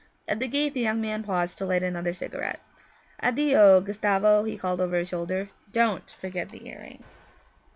At the gate the young man paused to light another cigarette. 'Addio, Gustavo,' he called over his shoulder, 'don't forget the earrings!'